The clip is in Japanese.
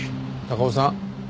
高尾さん？